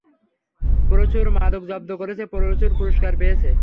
প্রচুর মাদক জব্দ করেছ, প্রচুর পুরষ্কার পেয়েছ।